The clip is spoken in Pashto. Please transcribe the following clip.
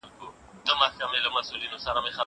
زه پرون ليکنې وکړې!